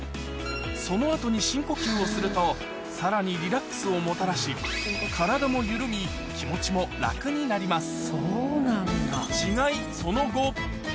その後に深呼吸をするとさらにリラックスをもたらし体も緩み気持ちも楽になります